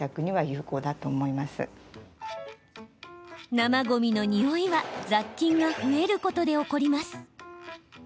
生ごみのニオイは雑菌が増えることで起こります。